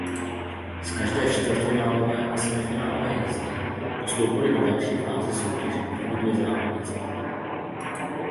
Z každé čtvrtfinálové a semifinálové jízdy postoupily do další fáze soutěže první dvě závodnice.